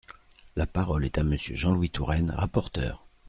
La parole est à Monsieur Jean-Louis Touraine, rapporteur.